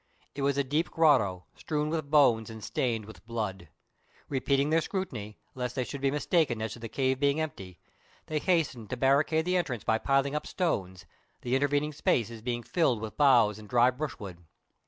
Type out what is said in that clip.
It was a deep grotto, strewn with bones and stained with blood. Repeating their scrutiny, lest they should be mistaken as to the cave being empty, they hastened to barricade the entrance by piling up stones, the intervening spaces being filled with boughs and dry brushwood.